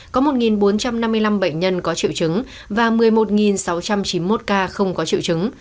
có một bốn trăm năm mươi năm bệnh nhân có triệu chứng và một mươi một sáu trăm chín mươi một ca không có triệu chứng